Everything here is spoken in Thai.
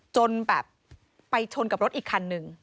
จนไปชนกับรถอีกคาน๑